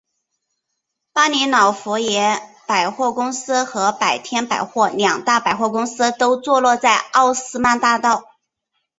巴黎老佛爷百货公司和春天百货两大百货公司都坐落在奥斯曼大道。